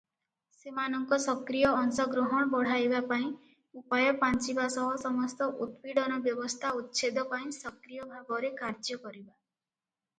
ସେମାନଙ୍କ ସକ୍ରିୟ ଅଂଶଗ୍ରହଣ ବଢ଼ାଇବା ପାଇଁ ଉପାୟ ପାଞ୍ଚିବା ସହ ସମସ୍ତ ଉତ୍ପୀଡ଼ନ ବ୍ୟବସ୍ଥା ଉଚ୍ଛେଦ ପାଇଁ ସକ୍ରିୟ ଭାବରେ କାର୍ଯ୍ୟ କରିବା ।